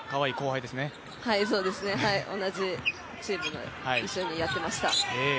はい、同じチームで一緒にやってました。